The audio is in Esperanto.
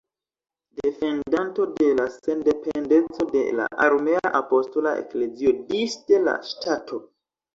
Defendanto de la sendependeco de la Armena Apostola Eklezio disde la ŝtato.